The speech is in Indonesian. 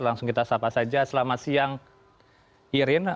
langsung kita sapa saja selamat siang irin